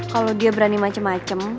kalau dia berani macem macem